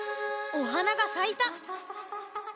おはながさいた。